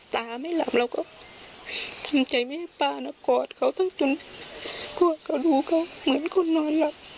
ตาไม่หลับเราก็ทำใจไม่ปลาหนักกอดเขาจนกลัวเขาดูเขาเหมือนคนนอนหลับ